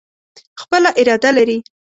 خپله اراده لري.